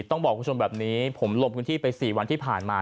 ต้องบอกคุณผู้ชมแบบนี้ผมลงพื้นที่ไป๔วันที่ผ่านมา